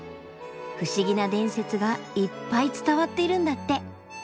不思議な伝説がいっぱい伝わっているんだって。